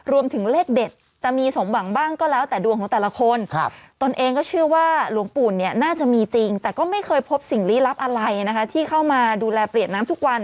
รวมถึงเลขเด็ดจะมีสมบังบ้างก็แล้วแต่ดวงของแต่ละคน